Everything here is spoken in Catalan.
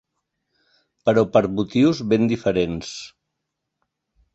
Però per motius ben diferents.